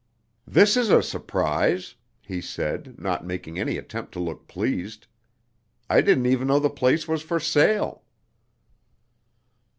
"This is a surprise," he said, not making any attempt to look pleased. "I didn't even know the place was for sale."